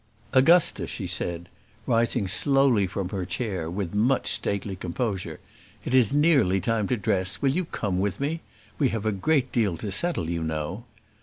"Augusta," she said, rising slowly from her chair with much stately composure, "it is nearly time to dress; will you come with me? We have a great deal to settle, you know."